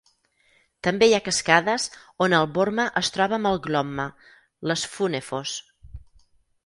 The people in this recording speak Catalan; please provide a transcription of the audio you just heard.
També hi ha cascades on el Vorma es troba amb el Glomma, les Funnefoss.